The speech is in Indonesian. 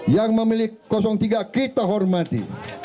yang memilih tiga kita hormati